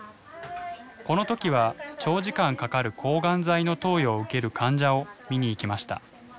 この時は長時間かかる抗がん剤の投与を受ける患者を見に行きました。